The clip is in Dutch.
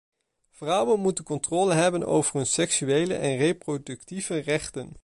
Vrouwen moeten controle hebben over hun seksuele en reproductieve rechten.